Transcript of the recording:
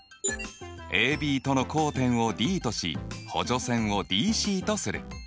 ＡＢとの交点をＤとし補助線をＤＣとする。